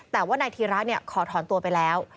แต่ว่านายธีระขอถอนตัวไปแล้ว